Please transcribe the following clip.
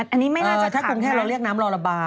อันนี้ไม่น่าจะขังถ้าคงแค่เราเรียกน้ำรอระบาย